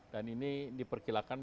dan ini diperkilakan